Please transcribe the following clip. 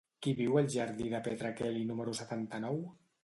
Qui viu al jardí de Petra Kelly número setanta-nou?